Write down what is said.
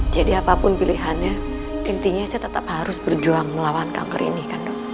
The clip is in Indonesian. jadi apapun pilihannya intinya saya tetap harus berjuang melawan kanker ini kan dok